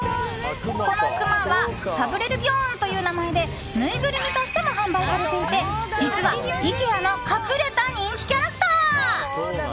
このクマはファブレルビョーンという名前でぬいぐるみとしても販売されていて実はイケアの隠れた人気キャラクター。